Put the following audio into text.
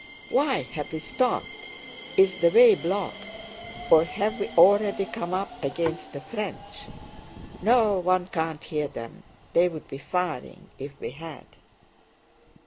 "Why have we stopped? Is the way blocked? Or have we already come up against the French?" "No, one can't hear them. They'd be firing if we had."